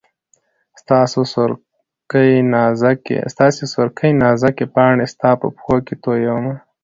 ستا سورکۍ نازکي پاڼي ستا په پښو کي تویومه